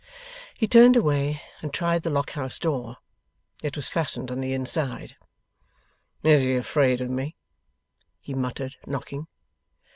He turned away, and tried the Lock house door. It was fastened on the inside. 'Is he afraid of me?' he muttered, knocking.